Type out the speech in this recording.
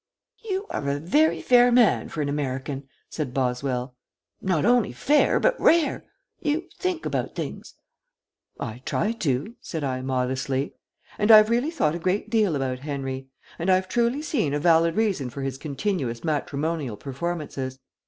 "You are a very fair man, for an American," said Boswell. "Not only fair, but rare. You think about things." "I try to," said I, modestly. "And I've really thought a great deal about Henry, and I've truly seen a valid reason for his continuous matrimonial performances.